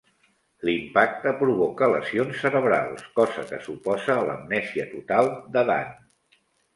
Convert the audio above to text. L'impacte provoca lesions cerebrals, cosa que suposa l'amnèsia total de Dan.